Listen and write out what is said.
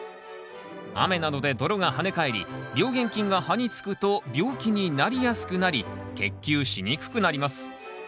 雨などで泥が跳ね返り病原菌が葉につくと病気になりやすくなり結球しにくくなります。